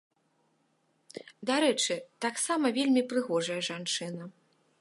Дарэчы, таксама вельмі прыгожая жанчына.